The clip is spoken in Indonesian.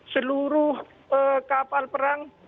seluruh kapal perang